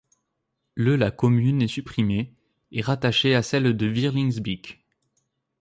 Le la commune est supprimée et rattachée à celle de Vierlingsbeek.